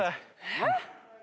えっ！？